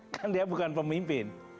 kan dia bukan pemimpin